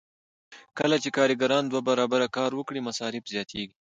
کله چې کارګران دوه برابره کار وکړي مصارف زیاتېږي